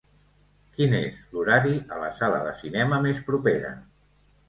Quin és l'horari a la sala de cinema més propera?